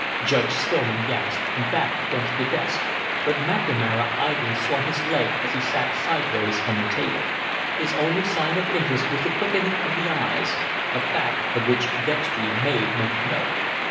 Judge Stillman gasped and backed against the desk, but McNamara idly swung his leg as he sat sidewise on the table. His only sign of interest was a quickening of the eyes, a fact of which Dextry made mental note.